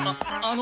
あ